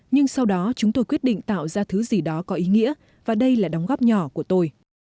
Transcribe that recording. nhưng sau đó chúng tôi quyết định tạo ra thứ gì đó có ý nghĩa và đây là đóng góp nhỏ của tôi